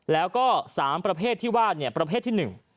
แล้วก็๓ประเภทที่ว่าเนี่ยประเภทที่๑